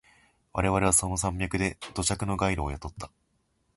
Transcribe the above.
我々はその山脈で土着のガイドを雇った。